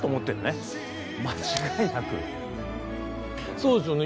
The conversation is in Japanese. そうですよね。